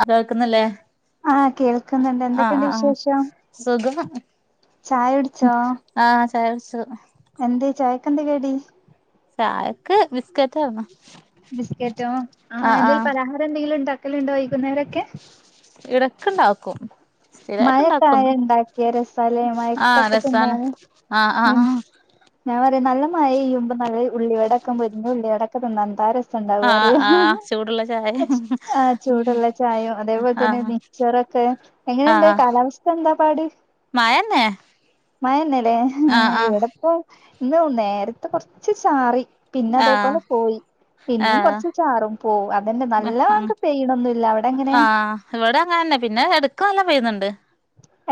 ആഹ് കേൾക്കുന്നില്ലേ? ആഹ് കേൾക്കുന്നുണ്ട്. ആഹ് എന്തൊക്കെയുണ്ട് ആഹ് ആഹ് വിശേഷം? സുഖം ഉം ചായ കുടിച്ചോ? ആ ചായ കുടിച്ചു. എന്ത് ചായക്ക് എന്താ കടി ചായക്ക് ബിസ്‌ക്കറ്റ് ആരുന്നു. ബിസ്ക്കറ്റോ ആ എന്തെങ്കിലും പലഹാരം എന്തെങ്കിലും ഉണ്ടാക്കല് ഉണ്ടോ വൈകുന്നേരൊക്കെ? ഇടക്ക് ഉണ്ടാക്കും മഴക്കായാണ്ടാക്കിയാ രസാലേ ആഹ് മഴയൊക്കെ രസാണ് തിന്നാനും ആഹ് ഉം ആഹ് ഞാൻ പറയും നല്ല മഴെയ്യുമ്പോ നല്ല ഉള്ളിവടയൊക്കെ മൊരിഞ്ഞ ഉള്ളിവടയോക്കെ തിന്നണം എന്താരെ സം ആഹ് ഉണ്ടാക്കും ആഹ് ആഹ് അറിയുവോന്ന് ചൂടുള്ള ചായ ആ ചൂടുള്ള ചായയോ അതേപോലെതന്നെ ആഹ് മീ ച്ചറൊക്കെ എങ്ങനെയുണ്ട് ആഹ് കാലാവസ്ഥ എന്താ പാട് മഴന്നെ മഴതന്നെ ആഹ് അല്ലെ ഇവിടെ ഇപ്പൊ ഇന്ന് നേരത്തെ കൊറച്ച് ചാറി പിന്നെ ആഹ് അതേപോലെ പോയി. പിന്നേം ആഹ് കൊറച്ച് ചാറും പോവും അത്‌ തന്നെ വല്ലാണ്ട് പെയ്യാനൊന്നുമില്ല അവിടെ എങ്ങനെ ഇവിടെയെം അങ്ങനെതന്നെ പിന്നെ എടക്ക് നല്ല പെയ്യുന്നുണ്ട്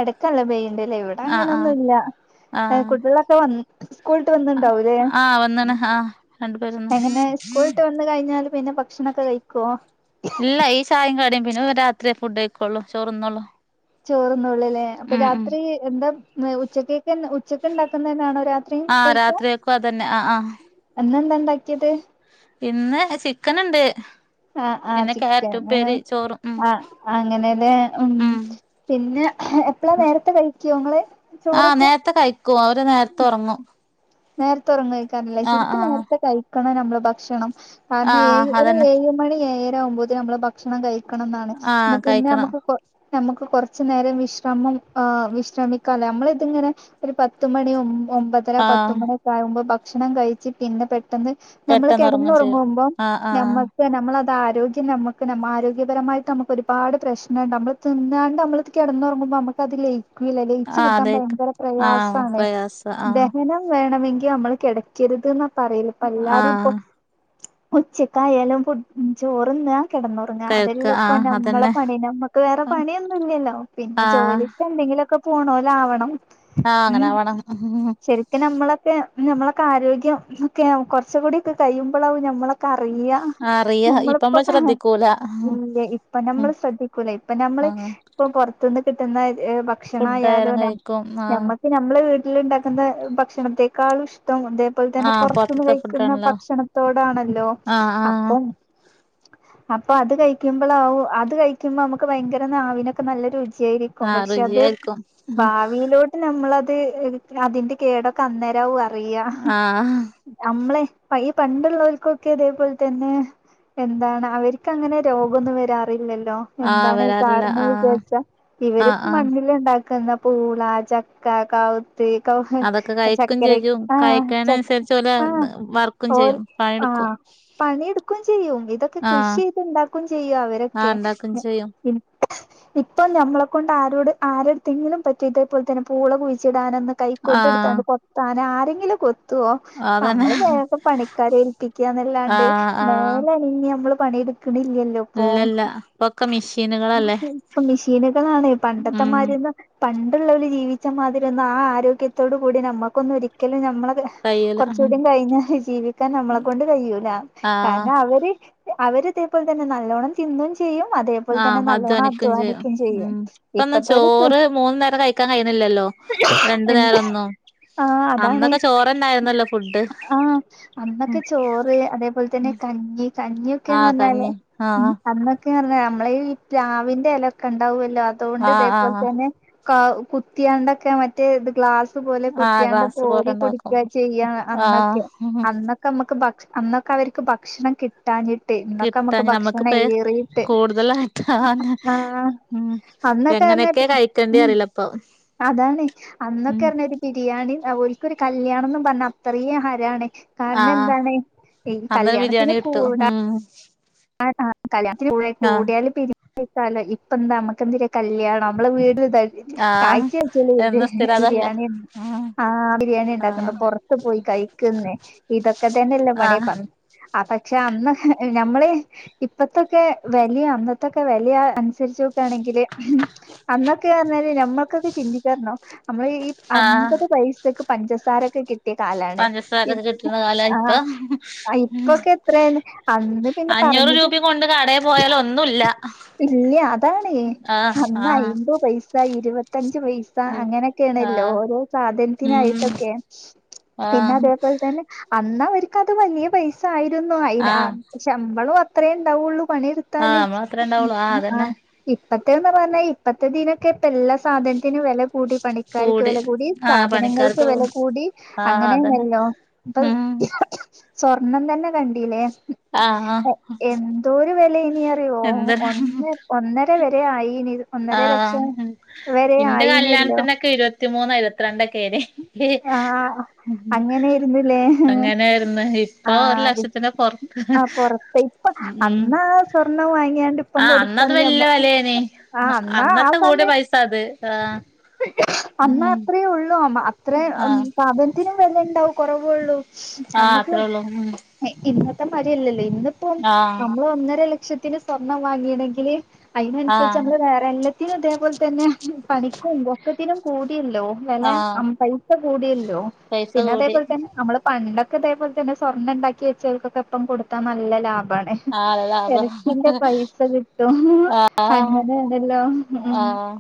എടയ്ക്കു നല്ല പെയ്യുണ്ടല്ലേ ഇവിടെ ആഹ് ആഹ് അങ്ങനെയൊന്നുമില്ല ആഹ് കുട്ടികളൊക്കെ വന് സ്കൂൾ വിട്ട് വന്നിട്ടുണ്ടാക്കുമല്ലേ? ആഹ് വന്ന്ണ് ആഹ് രണ്ടുപേര് വന്ന് എങ്ങനെ സ്കൂൾ വിട്ട് വന്ന് കഴിഞ്ഞാല് പിന്നെ ഭക്ഷണമൊക്കെ കഴിക്കോ? ഇല്ല ഈ ചായേം കടിയും പിന്നെ രാത്രിയെ ഫുഡ്‌ കഴിക്കോള്ളു ചോറ് തിന്നുവൊള്ളൂ ചോറ് തിന്നുവൊള്ളൂല്ലെ അപ്പം രാത്രി എന്താ ഉച്ചക്കൊക്കെ ഉച്ചക്ക് ഉണ്ടാക്കുന്നെ തന്നെയാണോ രാ ആഹ് രാത്രിയെക്കും അത്‌ തന്നെ ആഹ് ആഹ് എന്നെന്താണ്ടാക്കിയത് ഇന്ന് ചിക്കന്ണ്ട് ആ ആഹ് പിന്നെ ചിക്കന് ക്യാരറ്റുപ്പേരി ചോറും ഉം ആ അങ്ങനെലേ ഉം പിന്നെ എപ്പളാ നേരത്തെ കഴിക്കോങ്ങള് ചോറൊക്കെ ക്കും അവര് നേരത്തെ ഉറങ്ങും നേരത്തെ ഉറങ്ങും കഴിക്കാറില്ല ശരിക്കും ആഹ് നേരത്തെ കഴിക്കണം നമ്മള് ഭക്ഷണം ആഹ് അതന്നെ [unintelligible] മണിഏഴരകുമ്പോത്തിന് നമ്മള് ഭക്ഷണം കഴിക്കണംന്നാണ് ആഹ് ന്നാപിന്നെ കഴിക്കണം നമുക്ക് നമുക്ക് കുറച്ചു നേരം വിശ്രമം ആ വിശ്രമിക്കാലോ നമ്മളിതിങ്ങനെ ഒരു പത്തുമണി ഒമ്പതര ആഹ് പത്തുമണി ഒക്കെ ആകുമ്പോ ഭക്ഷണം കഴിച്ച് പിന്നെ പെട്ടെന്ന് നമ്മള് പെട്ടെന്ന് ഒറങ്ങും ചെയ്യും കിടന്നുറങ്ങുമ്പോ ആഹ് ആഹ് നമ്മ നമ്മളത് ആരോഗ്യം നമുക്ക് ന ആരോഗ്യപരമായിട്ട് നമുക്ക് ഒരുപാട് പ്രശ്നംണ്ട് നമ്മൾ തിന്നാണ്ട് നമ്മള് കെടന്നുറങ്ങുമ്പോ നമുക്കത് ലേ ഇല്ല ലയിച്ച് ആഹ് കിട്ടാൻ അതേക്ക് ഭയങ്കര ആഹ് പ്രയാസാണ് പ്രയാസ ആഹ് ദഹനം വേണമെങ്കി നമ്മള് കിടക്കരുത് ന്നാ പറയല് പ്പെല്ലാരുപ്പൊ ആഹ് ഉച്ചക്കായാലും പു ചോറ്ന്നാ കെടന്നു പിന്നെ കഴിക്ക അതെല്ലപ്പ ആഹ് നമ്മളെ അതന്നെ പണി നമ്മുക്ക് വേറെ പണിയൊന്നുല്ലല്ലോ ആഹ് പിന്നെ ജോലിക്ക് എന്തെങ്കിലൊക്കെ പോണോലാവണം ആഹ് അങ്ങനാവണം ക്കെ നമ്മളൊക്കെ നമ്മളൊക്കെ ആരോഗ്യം ഒക്കെ കുർച്ചുംകൂടിയൊക്കെ കഴിയുമ്പോളാവും നമ്മളെ ക്കറിയ അറിയ ഇപ്പ നമ്മളിപ്പ നമ്മള് കാണ ശ്രദ്ധിക്കൂല ഇല്ല ഇപ്പ നമ്മള് ശ്രദ്ധിക്കൂല ഇപ്പ നമ്മള് ആഹ് ഇപ്പൊ പൊർത്തുന്ന് കിട്ടുന്ന ഫുഡായാലും ഭക്ഷണയാലും കഴിക്കും ആഹ് നമ്മക്ക് നമ്മളെ വീട്ടിലുണ്ടാക്കുന്ന ഭക്ഷണത്തെേക്കാളും ഇഷ്ടം അത അത്പോലെ തന്നെ ആഹ് പുറത്തുന്ന് പൊറത്തത്തെ കഴിക്കുന്ന ഫുഡാണല്ലോ ഭക്ഷണത്തോടാണല്ലോ ആഹ് ആഹ് അപ്പൊ അപ്പൊ അത് കഴിക്കുമ്പോളാവും അത് കഴിക്കുമ്പോ നമുക്ക് ഭയങ്കര നാവിനൊക്കെ നല്ല രു ചിയായിരിക്കും ആഹ് പക്ഷെ അത് രുചിയായിരിക്കും ഭാവിയിലോട്ട് നമ്മളത് അതിന്റെ കേടൊക്കെ അന്നേരാവും അറിയ ആഹ് നമ്മളെ പയേ പണ്ടുള്ളോർക്കൊക്കെ അതേപോലെ തന്നെ എന്താണ് അവർക്കങ്ങനെ രോഗൊന്നും വരാറില്ലല്ലോ ആഹ് എന്താണ് ഈ വരാറില്ല കാരണം ആഹ് വിചാരിച്ച ഇവര് ആഹ് ആഹ് മണ്ണില്ണ്ടാക്കുന്ന പൂള ചക്ക കാവുത്ത് കൗങ് അതൊക്കെ കഴിക്കും ചക്കര ചെയ്യും ആഹ് ചക് കഴിക്കണനുസരിച്ച് ഓല് ആ വർക്കും ഓൽ ചെയ്യും പണിയെടുക്കും ആഹ് പണിയെട്ക്കും ചെയ്യും ഇതൊക്കെ ആഹ് കൃഷിയെയ്ത്ണ്ടാക്കും ചെയ്യും ആഹ് അവരൊക്കെ ഇണ്ടാക്കും ചെയ്യും ഉം ഇപ്പം നമ്മളെക്കൊണ്ടാരോട് ആരട്ത്തെങ്കിലും പറ്റൊ ഇതേപലെതന്നെ പൂള കുയിച്ചിടാനൊന്ന് ആഹ് കൈക്കോട്ടെടുത്താണ്ട് കൊത്താനാരെങ്കിലും കൊ ത്തുവോ അതന്നെ നമ്മള് വേഗം പണിക്കാരേൽപ്പിക്കന്നല്ലാണ്ട് ആഹ് ആഹ് മേലനങ്ങിയമ്മള് പണിയെട് ക്ക്‌ണില്ലല്ല്പ്പൊ ഇല്ലല്ല ഇപ്പൊക്കെ മെഷീനുകളല്ലേ ഇപ്പ മിഷീനുകളാണെ ഉം പണ്ടത്തെമാരിയൊന്ന് പണ്ടുള്ളവല് ജീവിച്ചമാതിരിയൊന്നും ആ ആരോഗ്യത്തോട്കൂടി നമ്മുക്കൊന്നൊരിക്കലും നമ്മളെക്കെ കയ്യൂല കൊറച്ചുംകൂടി കയിഞ്ഞാ ജീവിക്കാൻ നമ്മളെ കൊണ്ട് കയ്യൂല ആഹ് കാരണം അവര് അവരിതേപോലെതന്നെ നല്ലോണം തിന്നും ചെയ്യും അതേപോലെ തന്നെ ആഹ് നല്ലോണം അധ്വാനിക്കും ചെയ്യും ഉം ഇപ്പെന്നാ ഇപ്പത്തെ ഒരു ചോറ് മൂന്ന്നേരം കയിക്കാൻ കയുന്നില്ലല്ലോ രണ്ടു നേരന്നോ ആഹ് അതാണ് ഫുഡ് ആഹ് ഉം അന്നൊക്കെ ചോറ് അതേപോലെതന്നെ ഉം കഞ്ഞി ആഹ് കഞ്ഞിയൊക്കെന്നറഞ്ഞാല് കഞ്ഞി ആഹ് അന്നൊ ക്കെപറഞ്ഞ നമ്മളെ ഈ പ്ലാവിന്റെലൊക്ക്‌ണ്ടാവുഅല്ലോ അതോണ്ട് ആഹ് ഇതേപോലെ ആഹ് തന്നെ കുത്തിയാണ്ടൊക്കെ മറ്റേ ഗ്ലാസ് പോലെ കു ആഹ് ത്തിയാണ്ട് ഗ്ലാസ് പോലെ കോരി ഉണ്ടാക്കും കുടിക്കാ ചെയ്യാ അന്നൊക്കെ ആഹ് അന്നൊ ഇപ്പമ്ക്ക് ഭക്ഷ അന്നൊക്കവർക്ക് ഭക്ഷണം കിട്ടാന്ന് ക്ട്ട്ടാന്ന് നമ്മുക്ക്പ്പഴ് കൂടുതലായിട്ടാന്ന് ആഹ് ഉം അന്നൊക്കെ എങ്ങനൊക്കേ പറഞ്ഞ കഴിക്കണ്ടീ ഉം അറീലപ്പൊ അതാണ്. അന്നൊക്കെർഞ്ഞ ഒരു ബിരിയാണിം, അ ഓൽക്കൊരു കല്യാണംന്ന് പറഞ്ഞാ അത്രീംഹരാണ് ആഹ് കാരനെന്താണ്, ഈ അന്നൊരു ബിരിയാണി കല്യാണത്തിന് കിട്ടും കൂട ഉം ആ കല്യാണത്തിന്കൂടിയാല് ആഹ് കൂടിയാലിപ്പിരിക്ക്‌ക്കലോ ഇപ്പെന്താ മ്മക്കെന്തിനാ കല്യാണം മ്മള് വീട് ആഹ് ആഴ്ചയിആഴ്ചയില് എന്നും ബിരി സ്ഥിരം അതല്ലേ ബിരിയാണിയന്നെ. ആഹ് ആഹ് ബിരിയാണിയിണ്ടാക്ക്‌ണ്ട് പൊറ പ്പ പോയി കയിക്ക്‌ന്നെ, ഇതൊക്കെ തന്നെല്ലെ പണി ആഹ് പ ആ പക്ഷെ അന്ന് ഹ് ഞമ്മള് ഇപ്പത്തൊക്കെ വെല്യും അന്നത്തൊക്കെ വെല്യുംഅ അനുസര്ച്ചോ ക്കാണെങ്കില്, ഹ്മ്മ് അന്നൊക്കെർഞ്ഞാല് ഞമ്മക്കൊക്കെ ചിന്തിക്കാർണോ നമ്മള് ഈ ആഹ് അൻപത് പൈസക്ക് പഞ്ചസാരൊക്കെ കി ത്തെ കാലാണ്. ഇ പഞ്ചസാരൊക്കെ കിട്ടുന്ന കാല ആഹ് ഇപ്പൊ ഇപ്പൊക്കെത്രേണ്. അന്ന് പിന്നെ പ അഞ്ഞൂറ് റഞ്ഞിട്ട് രൂപയും കൊണ്ട് കടയിൽ പോയാൽ ഒന്നുല്ല ഇല്ല, അതാണേ ആഹ് അന്നയി ആഹ് ത് പൈസ ഇരുപത്തഞ്ച് പൈസ് സ, അങ്ങനെക്കേണല്ലോ ആഹ് ഓരോ ഉം സാധനത്തിനായിട്ടൊക്കെ, ആഹ് പിന്നതേപോൽതന്നെ അന്നവര്ക്കത് വലിയ പൈസായിരുന്നു. അയിന് ആഹ് ശമ്പളും അത്രേണ്ടാവുള്ളൂ പണിയെട് ആഹ് ത്താല് നമ്മള അത്ര ഉം ഉം ഉണ്ടാവുള്ളു ആഹ് ഉം ആ അതന്നെ ഇപ്പത്തേന്ന് പറഞ്ഞാ ഇപ്പത്തെതിനൊക്കെ ഇപ്പെല്ലാ സാധനത്തിനും വെല കൂടി പണിക്കാര്ക്ക് വെല കൂടി. ആഹ് സാധനങ്ങൾക്ക് പണിക്കാർക്ക് വെല കൂടി. ആഹ് അതന്നെ അങ്ങനേണല്ലോ ഇപ്പൊ ഉം സ്വർണം തന്നെ കണ്ടീലേ ആഹ് ആഹ് എന്തോരു വെലേനി അറിയോ ഒന്ന ഒന്നരവരെ ആയീനി ആഹ് ഹും ഇന്റെ ആയിനല്ലോ കല്യാൺത്തിനൊക്കെ ഇരുവത്തിമൂന്നൊ ഇരുവത്ത്രണ്ടൊക്കേണി ആഹ് അങ്ങനേര്ന്ന് ലേ ഹ് ആഹ് പൊർ ആഹ് പൊറത്തെ ഇപ്പ അന്നാ സ്വർണം വാങ്ങിയാണ്ട് ഇപ്പം ആഹ് അന്നത് കൊട്ക്കണങ്കി ഞമ്മ വല്യ വെലേനി ആഹ് അന്നാ ആ അന്നത്തെ കൂടിയ സമയ പൈസ അത് ആഹ് ഉം അന്നത്രേഉള്ളു അമ അ ത്രയും ആഹ് സാധൻത്തിനും വെലയ്ണ്ടാവും കൊറവുള്ളൂ ആഹ് അമ്മക്ക് അത്രേ ഉള്ളൂ ഉം ഇന്നത്തെ മരില്ലല്ലോ, ഇന്നിപ്പം ആഹ് നമ്മള് ഒന്നര ലക്ഷത്തിന് സ്വർണം വാങ്ങീണെങ്കില് അയ്നൻസര്ച്ച് ആഹ് അമ്മള് വേറെ എല്ലത്തിനും ദേ പോൽതന്നെ പണിക്കും ഒക്കത്തിനും കൂട്യല്ലോ വെല ആഹ് അം മപൈസ കൂടിയല്ലോ, പൈസ പിന്നെ കൂടി അതേപോൽ തന്നെ അമ്മള് പണ്ടൊക്കെതേപോൽതന്നെ സ്വർണ്ണം ണ്ടാക്കി വെച്ചോൽക്കൊക്കെ ഇപ്പം കൊടുത്താ നല്ല ലാഭാണ് ആളെ ലാഭം ഇറച്ചിന്റെ പൈസ കിട്ടും. ആഹ് അങ്ങനേണല്ലോ എനി ആഹ്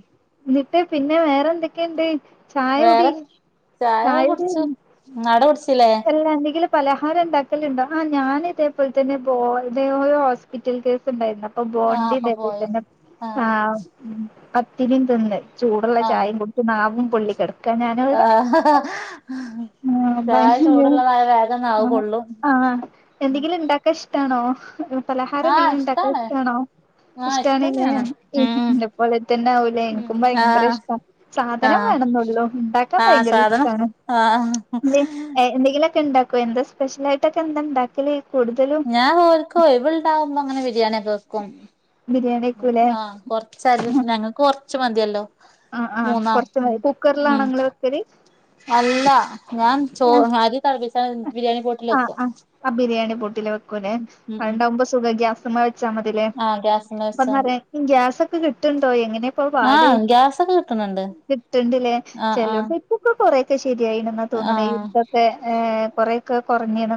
ന്നിട്ട് പിന്നെ വേറെന്തൊക്കെണ്ട് ചായകുടി വേറെ ചായ ചായകുടി കുടിച്ചു ആടെ കുടിച്ചില്ലേ എല്ല എന്തെങ്കിലും പലഹാരം ണ്ടാക്കലുണ്ടോ. ആ ഞാന് തേപോൽതന്നെ ബോ ഡ യോ യോ ഹോസ്പിറ്റൽ കേസ്ണ്ടായിരുന്നു. അപ് പ്പ ആഹ് അപ്പൊ ബോണ്ടിണ്ടാക്കിക്കുന്നു പോയന്ന് ആഹ് ഉം പത്തിര്യും തിന്ന് ചൂടുള്ള ആഹ് ചായും കുടിച്ച് നാവും പൊള്ളിക്കട ആഹ് ആഹ് ചായ ഭഹി [inaudible] ചൂടുള്ളതായ വേഗം നാവ് ആഹ് പൊള്ളും ആഹ് എന്തെങ്കിലുണ്ടാക്കാഷ്ടാണോ? പലഹാരം ആഹ് എന്തെങ്കിലും ണ്ടാക്കാ ഇഷ്ടാണ് ഇഷ്ടാണോ? ആഹ് ഇഷ്ട്ടാണ് ല്ലേ ഇഷ്ടന്നെയാണ് ഉം ഇന്ന പോലെ തന്നാവു ലേ, ഉം ഇൻക്കും ഭയങ്കര ആഹ് ഇഷ്ട്ടാ സാധനം ആഹ് വേണെന്നൊള്ളൂ. ഇണ്ടാക്കാൻ ആഹ് ഭയങ്കര സാധനം ഇഷ്ട്ടാണ്. ആഹ് എന്തേ എഹ് എന്തെങ്കിലൊ ക്കെ ണ്ടാക്കും. എന്താ സ്പെഷ്യലായിട്ടക്കെ എന്തണ്ടാക്കല് കൂടുതലും ഞാ ഓൽക്ക് ഒഴിവ് ഇണ്ടാവുമ്പോങ്ങനെ ബിരിയാണി ഒക്കെ വെക്കും ബിരിയാണിയേക്കൂലേ ആഹ് കൊർച്ചര്യും ഞങ്ങക്ക് കൊർച് മത്യല്ലോ ആഹ് ആഹ് കൊർച് മതി. ഉം കുക്കറിലാണൊങ്ങള് വെക്കല് അല്ല. ഞാൻ ചോ ആഹ് അരി തളപ്പിച്ചാൻ ബിരിയാണി പോട്ടിലെക്കും ആ ബിരിയാണി പോട്ടില വെക്കു ലെ. ഉം അഹ്ണ്ടാവുമ്പോ സുഖ ഗ്യാസ്മെ വച്ചാ മതിലേ ആഹ് ഗ്യാസ്മ്മെ [unintelligible] വെച്ചാ മതി പറയാ ഗ്യാസൊക്കെ കിട്ടുണ്ടോ എങ്ങനെ ഇപ്പോ പാട് കിന്നുണ്ട് കിട്ടണ്ടി ല്ലേ ചെലെട്ത്ത് ഇപ്പ കൊറെക്കെ ശരിയായിണ് എന്ന തോന്നണേ ആഹ് യുധൊക്കെ ഏഹ് കൊറെക്ക കുറന്നിന്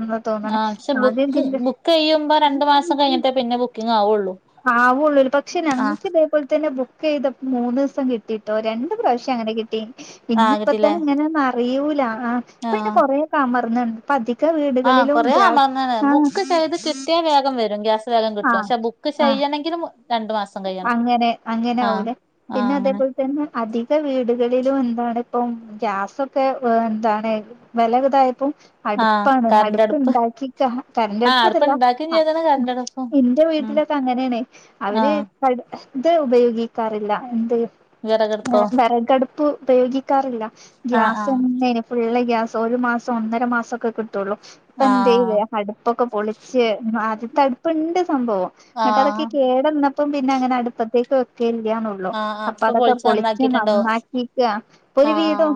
ആഹ് പക്ഷെ ബുക്ക് ബുക്ക് ചെയ്യുമ്പോ രണ്ടു മാസം കഴിഞ്ഞിട്ടേ പിന്നെ ബുക്കിംഗ ആവുള്ളു ആവുള്ളൂ പക്ഷെ ഞങ്ങൾക്ക് ഇതേപോലെ തന്നെ ബുക്ക് ചെയ്ത മൂന്ന് സം കിട്ടിയിട്ടോ രണ് പ്രാവശ്യം അങ്ങനെ കിട്ടി ആഹ് ഇനിയിപ്പത്തെ കിട്ടില്ലേ ഇങ്ങനൊന്നും അറിയൂല ആഹ് ഇപ്പ ന്നെ ആഹ് കൊറ ക്ക അമർന്ന്ണ് പ്പ അതിക്ക വീട് ആഹ് കൊറ ആമർന്നണ് ബുക്ക് ചെയ്തിട്ട് കിട്ടിയ വേഗം വരും ഗ്യാസ് വേഗം കിട്ടും ആഹ് പക്ഷെ ബുക്ക് ആഹ് ചെയ്യണമെങ്കിലും അങ്ങനെ അങ്ങനെ ആവൂലേ ആഹ് പിന്നെ അങ്ങനെ ഇതേപോലെ തന്നെ അധിക വീടുകളിലും എന്താണ് ഇപ്പം ഗ്യാസൊക്കെ വെ എന്താണ് വെലകതായപ്പം ആഹ് അടുപ്പാണ് അടുപ്പ് കറണ്ടടുപ്പ് ഉണ്ടാക്കിക്ക കറന്റ് ആഹ് അടുപ്പ അടുപ്പ് അതല്ല ഇണ്ടാക്കും ചെയ്ത്ണ് കറണ്ടടുപ്പും എന്റെ ഉം വീട്ടിലൊക്കെ അങ്ങനെയണേ അവര് ആഹ് [unintelligible] ഉപയോഗിക്കാറില്ല ഏഹ് വിറകടുപ്പോ കറന്റ് അടുപ്പ് പ്പ് ഉപയോഗിക്കാറില്ല ആഹ് ആഹ് ഗ്യാസന്നെ ണ് ഫുള്ള് ഗ്യാസ് ഒരു മാസം ഒന്നര മാസം ഒക്കെ കിട്ട തോള്ളൂ ഇപ്പ എന്ത ആഹ് ചെയത് അടുപ്പൊക്കെ പൊളിച്ച് ആദ്യത്തടുപ് ഇണ്ട് സംഭവം എന്നിട്ട അതൊക്കെ ആഹ് കേടന്നപ്പം പിന്നെ അങ്ങനെ അടുപ്പത്തേക്ക് വെക്കല്ല ള്ളൂ ആഹ് ആഹ് അപ്പൊ ഇപ്പൊ അതൊക്കെ പൊളിച്ച് നന്നാക്കിട്ടുണ്ടാവും നന്നാക്കിക്ക ഇപ്പൊ ഒരു വീദം ആഹ്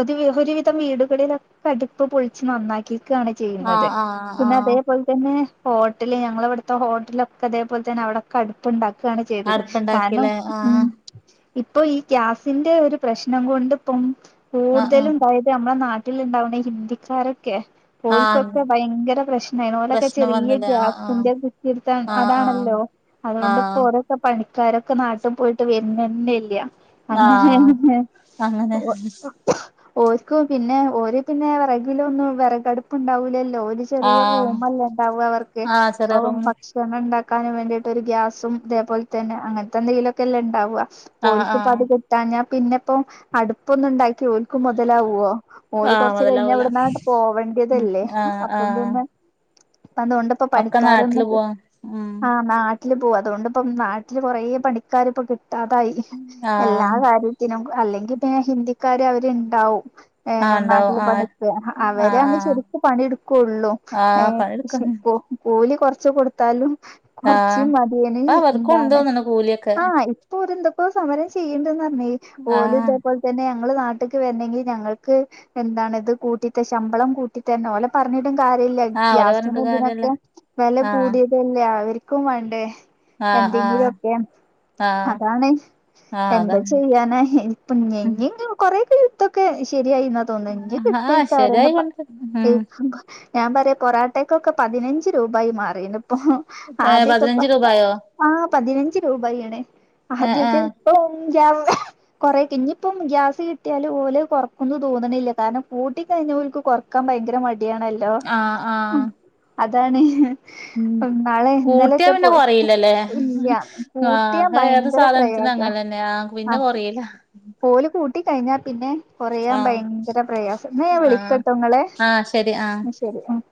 ഒരു ഒരുവിധം വീടുകളിലൊ കടുപ്പ് പൊളിച്ച് നന്നാക്കിക്കാണ് ചെയ്യുന്നത് ആഹ് ആഹ് പിന്നെ ആഹ് അതേപേലെ തന്നെ ഹോട്ടല് ഞങ്ങളവിടുത്തെ ഹോട്ടലൊക്കെ അതേപോലെ തെ അവിടെക്കെ അടു പ്പ് ഇണ്ടാക്കാണ് ചെയ്തത് കാരണം അടുപ്പുണ്ടാക്കില്ലേ ആഹ് ഉമ് ഇപ്പൊ ഈ ഗ്യാസിന്റെ ഒരു പ്രശ്നം കൊണ്ട് ഇപ്പം ആഹ് ആഹ് കൂടുതലും വ നമ്മുടെ നാട്ടിൽ ഇണ്ടാവുന്ന ഹിന്ദിക്കാരൊക്കെ ആഹ് ഓൽക്കൊക്കെ ഭയങ്കര പ്രശ്നായി ഓലൊക്കെ പ്രശ്നം ചെറിയ വന്നില്ലേ ആഹ് ആഹ് ഗ്യാസിന്റെയ കിടുത്ത ആഹ് അതാണല്ലോ ആഹ് അതൊണ്ട്പ്പോ ആഹ് ഒരക്കെ പണിക്കാരൊക്കെ നാട്ടിൽ പോയിട്ട് വരന്ന ല്ല അങ്ങനെ [unintelligible] ആഹ് അങ്ങനെ ഓഹ് ഓല്ക്ക് പിന്നെ ഓര് പിന്നെ വിറകിലൊന്നും ഒന്നും വിറകടുപ് ഉണ്ടാവൂല ല്ലോ ചെറിയ ആഹ് റൂമല്ലേ ഉണ്ടാവ അവർക്ക് ആഹ് ചെറിയ അപ്പൊ റൂമിന് ഭക്ഷണം ഉണ്ടാക്കാൻ വേണ്ടിട്ട് ഒരു ഗ്യാസും അതേപോലെ തന്നെ അങ്ങനത്തെ എന്തെങ്കിലോക്കെ എല്ലാം ഉണ്ടാവുക ആഹ് ഓൽക്ക് പ ആഹ് ട്ടാ ഞാൻ പിന്നെപ്പം അടുപ്പൊന്ന ഉണ്ടാക്കി ഓർക്ക് മുതലാവോ ഓര് ആഹ് കൊറച്ച് കഴിഞ്ഞ മുതലാവൂല ഇവിടുന്നങ്ങട്ട് പോവേണ്ടതല്ലേ ആഹ് അപ്പം ആഹ് പിന്നെപ്പ അതൊ ണ്ട് ഇപ്പ ഒക്കെ നാട്ടില് പണിക്കാരോണ്ടങ്കിൽ പോ ഉം ആഹ് നാട്ടില് പോവാ അതുകൊണ്ടിപ്പം നാട്ടില് കൊറേ പണിക്കാർ ഇപ്പ കിട്ടാതായി എല്ലാ ആഹ് കാര്യവും അല്ലെങ്കിൽ പിന്നെ ഹിന്ദിക്കാര് അവരുണ്ടാവും ആഹ് ഏഹ് ഇണ്ടാവും നാട്ടില് പണി ആഹ് എടുക്ക അവരെ ആഹ് അങ്ങ് ആഹ് ശരിക്കും പണിയെടുക്കുള്ളൂ ആഹ് പണിയെടുക്ക ഏഹ് കൂലി കുറച്ച് കൊടുത്താലും ചി ആഹ് ഇപ്പ അവർക്കും ഉണ്ട് [unintelligible] തോന്ന്ണ് കൂലിയൊക്കെ ആഹ് ഇപ്പോഇത് എന്തൊക്കോ സമരം ചെയ്യണ്ടന്ന് പറഞ്ഞ ഓലും ആഹ് ഇതേ പോലെ തന്നെ ഞങ്ങൾ നാട്ടിക്ക് വരണെങ്കിൽ ഞങ്ങൾക്ക് എന്താണ് ഇത് കൂട്ടിട്ട ശമ്പളം കൂട്ടിട്ട തന്നെ ഓല പറഞ്ഞിട്ടും കാര്യല്ല ആഹ് ഓലെ ഗ്യാസിന് പറഞ്ഞിട്ട് കാര്യല്ല ഇതിനൊക്കെ വെല ആഹ് കൂടിയതല്ലേ അവർ ക്കും വേണ്ടേ ആഹ് ആഹ് എന്തെങ്കിലൊക്കെ ആഹ് അതാണ് ആഹ് അതാ എന്താ ചെയ്യാന ഇപ്പ ഞ്ഞി ങ്ങ കൊറ ക ഇതൊക്കെ ശരിയായി എന്നാ തോന്ന ഇനി ആഹ് കിട്ടിക്കാര ശരിയായി കൊണ്ട് ഉം [unintelligible] ഞാൻ പറയാ പൊറാട്ടക്കൊക്കെ പതിനഞ്ച് രൂപായി മാറിണ്ട് ഇപ്പൊ ഏഹ് ആദ്യക്കെ പ പതിനഞ്ച് രൂപായോ ആ പതിനഞ്ച് രൂപണേ ഏഹ് ആദ്യൊക്കെ ഏഹ് ഓഹ് ജാവ കൊറക്കെ ഇനിയിപ്പം ഗ്യാസ് കിട്ടിയാല് ഓല് കൊറക്കുന്ന് തോന്നണില്ല കാരണം കൂട്ടി കഴിഞ്ഞോല്ക്ക് കൊറ ക്കാൻ ഭയങ്കര മടിയാണല്ലോ ആഹ് ആഹ് അതാണ്ഹ് ഉം നാളെ കൂട്ടിയാ ഇന്നലെറ്റെ പിന്നെ പോ കൊറയില്ലല്ലേ ഇല്ല കൂട്ടിയാ ആഹ് ഏത് ഭയങ്കര സാധനത്തിനു പ്രയാസാ അങ്ങനന്നെയ പിന്നെ ആഹ് കൊറയില്ല ഓല് കൂട്ടി കഴിഞ്ഞാ പിന്നെ കൊറയാം ആഹ് ഭയങ്കര പ്രയാസം ന്നാ ഞാ ആഹ് വിളിക്കാട്ടൊങ്ങളെ ആഹ് ശരി ആഹ് ശരി ഉ